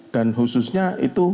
dan khususnya itu